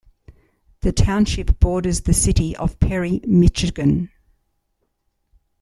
The township borders the city of Perry, Michigan.